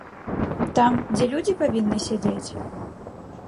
Там, дзе людзі павінны сядзець?